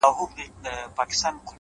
• دا چي له کتاب سره ياري کوي،